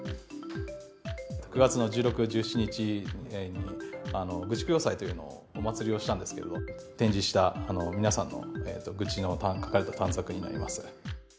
９月の１６、１７日、愚痴供養祭というのを、お祭りをしたんですけど、展示した皆さんの愚痴が書かれた短冊になります。